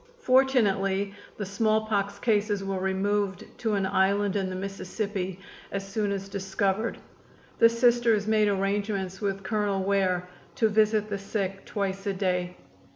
Fortunately the smallpox cases were removed to an island in the Mississippi as soon as discovered. The Sisters made arrangements with Colonel Ware to visit the sick twice a day.